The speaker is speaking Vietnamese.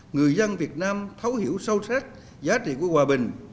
người dân việt nam thấu hiểu sâu sắc giá trị của hòa bình